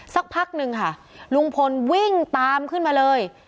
สักพักนึงค่ะลุงพลวิ่งตามขึ้นมาเลย